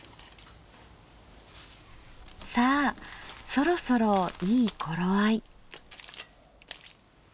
さあそろそろいい頃合い。